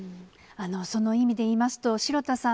その意味でいいますと、城田さん